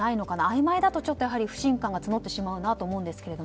あいまいだと不信感が募ってしまうなと思うんですけど。